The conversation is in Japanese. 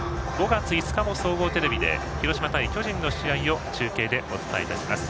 ５月５日の総合テレビで広島対巨人の試合を中継でお伝えいたします。